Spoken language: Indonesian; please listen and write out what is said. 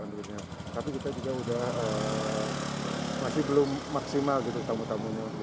tapi kita juga masih belum maksimal tamu tamunya